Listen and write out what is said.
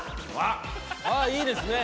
ああいいですね。